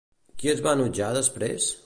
Qui es va enutjar després?